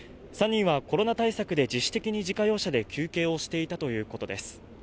３人はコロナ対策で自主的に自家用車で休憩をしていたということです